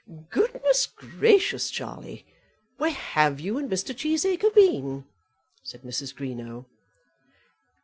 "Goodness, gracious, Charlie! where have you and Mr. Cheesacre been?" said Mrs. Greenow.